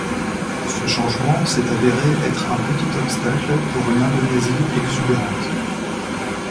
Ce changement s'est avéré être un petit obstacle pour une Indonésie exubérante.